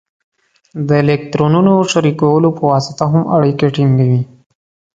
د الکترونونو شریکولو په واسطه هم اړیکې ټینګوي.